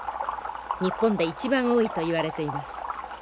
日本で一番多いといわれています。